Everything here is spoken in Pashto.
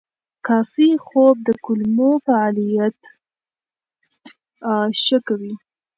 کافي خوب د کولمو فعالیت ښه کوي.